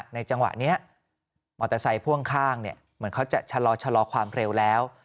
จังหวะนี้มอเตอร์ไซค์พ่วงข้างเหมือนเขาจะชะลอความเร็วแล้ว